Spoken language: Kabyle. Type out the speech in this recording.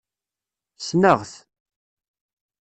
Ssneɣ-t.